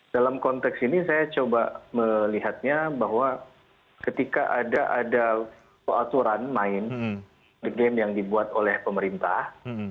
dalam konteks ini saya coba melihatnya bahwa ketika ada aturan main game yang dibuat oleh pemerintah